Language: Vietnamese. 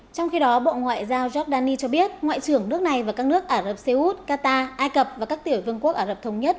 trong khi đó bộ ngoại giao giordani cho biết ngoại trưởng nước này và các nước ả rập xê út qatar ai cập và các tiểu vương quốc ả rập thống nhất